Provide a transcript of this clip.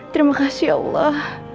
terima kasih allah